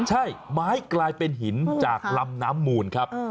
ใช่ไม้กลายเป็นหินจากลำน้ำมูลครับ